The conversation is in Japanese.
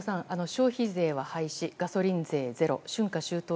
消費税は廃止ガソリン税はゼロ春夏秋冬